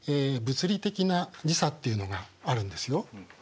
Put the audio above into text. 物理的な時差っていうのがあるんですよ。